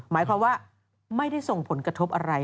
หมายความว่าไม่ได้ส่งผลกระทบอะไร